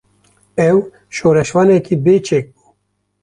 Ew, şoreşvanekî bê çek bû